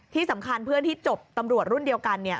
ที่สำคัญเพื่อนที่จบตำรวจรุ่นเดียวกันเนี่ย